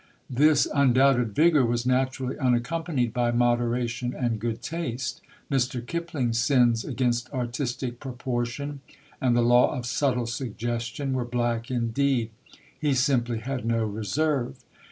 This undoubted vigour was naturally unaccompanied by moderation and good taste; Mr. Kipling's sins against artistic proportion and the law of subtle suggestion were black indeed. He simply had no reserve.